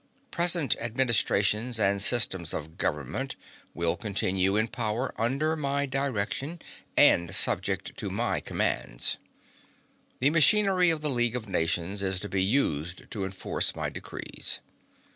Present administrations and systems of government will continue in power under my direction and subject to my commands. The machinery of the League of Nations is to be used to enforce my decrees.